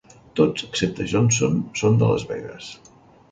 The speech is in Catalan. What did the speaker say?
Tots excepte Johnson són de Las Vegas.